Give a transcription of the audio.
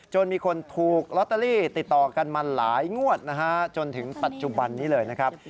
มีคนถูกลอตเตอรี่ติดต่อกันมาหลายงวดนะฮะจนถึงปัจจุบันนี้เลยนะครับ